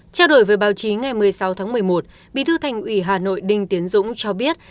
trao đổi với báo chí ngày một mươi sáu tháng một mươi một bí thư thành ủy hà nội đinh tiến dũng cho biết